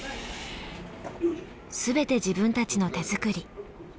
全て自分たちの手づくり。